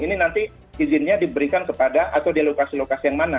ini nanti izinnya diberikan kepada atau di lokasi lokasi yang mana